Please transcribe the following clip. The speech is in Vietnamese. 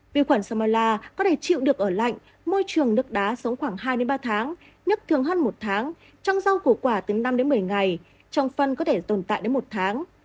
vi khuẩn samala có thể chịu được ở lạnh môi trường nước đá sống khoảng hai ba tháng nhất thường hơn một tháng trong rau củ quả từ năm đến một mươi ngày trong phân có thể tồn tại đến một tháng